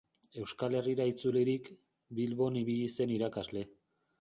Euskal Herrira itzulirik, Bilbon ibili zen irakasle.